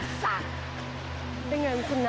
masa buang udena dulu